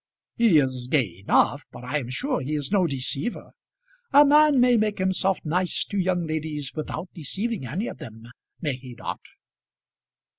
"He is gay enough, but I am sure he is no deceiver. A man may make himself nice to young ladies without deceiving any of them; may he not?"